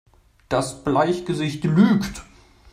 Das Bleichgesicht lügt!